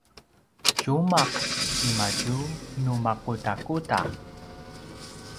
tjumaq ti madju nu makudakuda?